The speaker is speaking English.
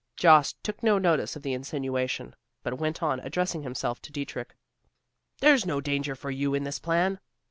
Jost took no notice of the insinuation, but went on, addressing himself to Dietrich. "There's no danger for you in this plan.